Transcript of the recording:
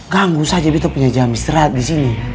ganggu saja betta punya jam istirahat disini